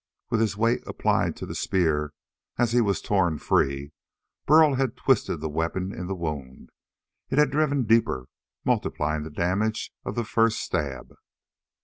With his weight applied to the spear as he was torn free, Burl had twisted the weapon in the wound. It had driven deeper, multiplying the damage of the first stab.